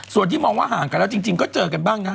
ส่วนที่มองว่าห่างกันแล้วจริงก็เจอกันบ้างนะ